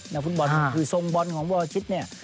ฟุตบอลคือทรงบอลของวรชิตเนี่ย